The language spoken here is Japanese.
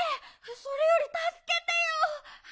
それよりたすけてよ。